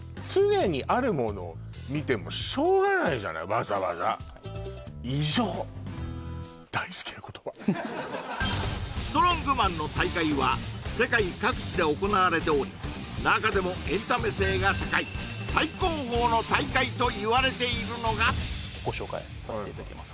わざわざストロングマンの大会は世界各地で行われており中でもエンタメ性が高い最高峰の大会といわれているのがご紹介させていただきます